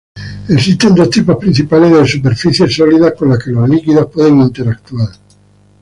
Existen dos tipos principales de superficies sólidas con las que los líquidos pueden interactuar.